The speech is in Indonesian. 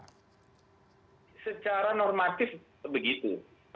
secara normatif begitu